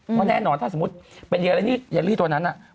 เพราะแน่นอนถ้าสมมุติเป็นเยเลี่เยลลี่ตัวนั้นน่ะ